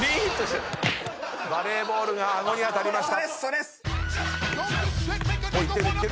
バレーボールが顎に当たりました。